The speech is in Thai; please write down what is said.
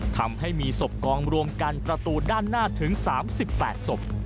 ทำให้มีศพกองรวมกันประตูด้านหน้าถึง๓๘ศพ